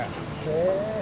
へえ。